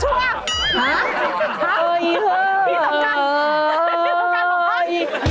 หรือเปล่าพี่สังกันพี่สังกันหรือเปล่าพี่สังกัน